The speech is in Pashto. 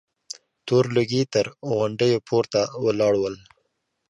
تور لوګي تر غونډيو پورته ولاړ ول.